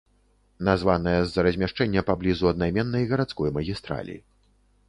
Названая з-за размяшчэння паблізу аднайменнай гарадской магістралі.